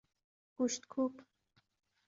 گوشتکوب